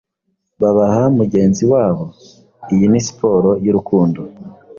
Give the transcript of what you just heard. babaha mugenzi wabo: Iyi ni siporo y'urukundo,